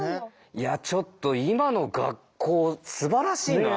いやちょっと今の学校すばらしいなあ。